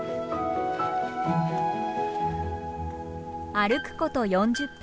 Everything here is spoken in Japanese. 歩くこと４０分。